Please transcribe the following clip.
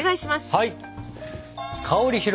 はい！